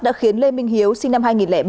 đã khiến lê minh hiếu sinh năm hai nghìn ba